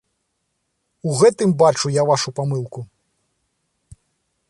У гэтым бачу я вашу памылку!